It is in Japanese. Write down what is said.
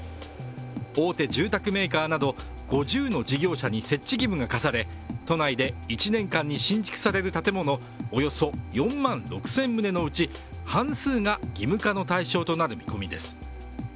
大手住宅メーカーなど５０の事業者に設置義務が課され都内で１年間に新築される建物、およそ４万６０００棟のうち半数が義務化の対象となる見込みです。